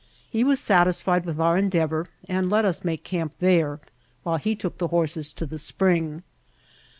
He was satisfied with our endeavor and let us make camp there while he took the horses to the spring.